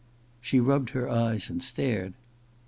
She rubbed her eyes and stared.